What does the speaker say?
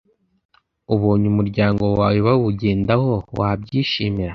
Ubonye umuryango wawe bawugendaho wabyishimira